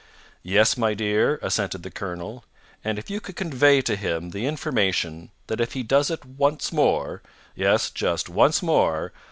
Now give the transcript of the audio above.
"Yes, my dear," assented the colonel; "and if you could convey to him the information that if he does it once more yes, just once more!